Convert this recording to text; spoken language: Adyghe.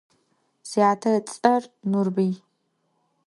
Syate ıts'er Nurbıy.